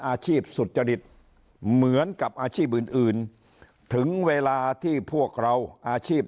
สุจริตเหมือนกับอาชีพอื่นอื่นถึงเวลาที่พวกเราอาชีพ